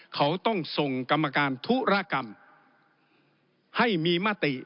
เขาต้องส่งกรรมการธุรกรรมให้มีมติ